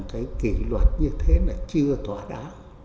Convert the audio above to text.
cái kỷ luật như thế là chưa thỏa đá